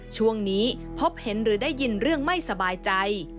ช่วงนี้พบเห็นหรือได้ยินเรื่องไม่สบายใจ